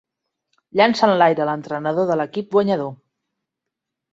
Llança enlaire l'entrenador de l'equip guanyador.